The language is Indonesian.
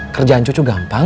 kerjaan cucu gampang